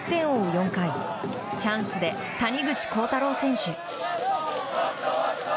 ４回チャンスで谷口昊汰朗選手。